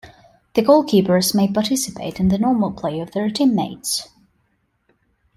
The goalkeepers may participate in the normal play of their teammates.